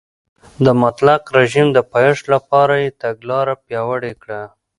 د مطلقه رژیم د پایښت لپاره یې تګلاره پیاوړې کړه.